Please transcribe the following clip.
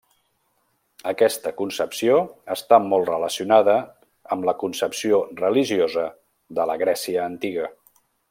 Aquesta concepció està molt relacionada amb la concepció religiosa de la Grècia antiga.